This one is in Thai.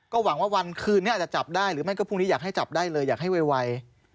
หวังว่าวันคืนนี้อาจจะจับได้หรือไม่ก็พรุ่งนี้อยากให้จับได้เลยอยากให้ไว